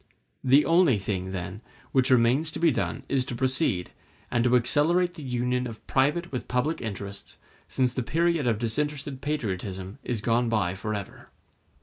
The only thing, then, which remains to be done is to proceed, and to accelerate the union of private with public interests, since the period of disinterested patriotism is gone by forever.